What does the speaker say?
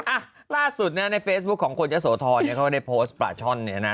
อ่ะล่าสุดนะในเฟซบุ๊คของคนเยอะโสธรเนี่ยเขาได้โพสต์ปลาช่อนเนี่ยนะ